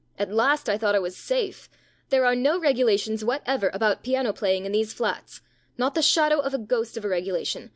At last I thought I was safe. There are no regula tions whatever about piano playing in these flats not the shadow of a ghost of a regulation.